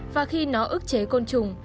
và khi nó ức chế côn trùng